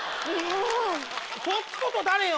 そっちこそ誰よ？